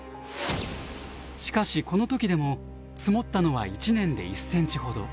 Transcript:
しかしこの時でも積もったのは１年で１ｃｍほど。